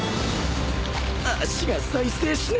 足が再生しない